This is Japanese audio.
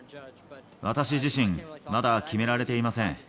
私自身、まだ決められていません。